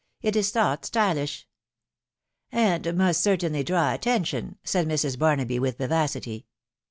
It is thought stylish." " And must certainly draw attention," said Mrs. Barnabyj with vivacity.